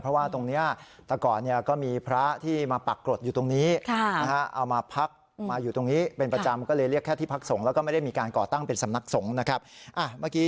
เพราะว่าตรงเนี่ยแต่ก่อนเนี่ยก็มีพระที่มาปักกรดอยู่ตรงนี้